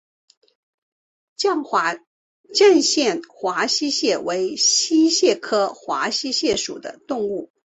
绛县华溪蟹为溪蟹科华溪蟹属的动物。